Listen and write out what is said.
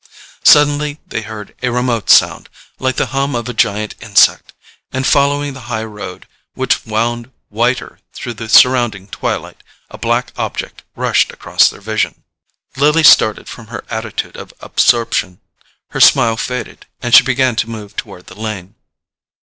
Suddenly they heard a remote sound, like the hum of a giant insect, and following the high road, which wound whiter through the surrounding twilight, a black object rushed across their vision. Lily started from her attitude of absorption; her smile faded and she began to move toward the lane.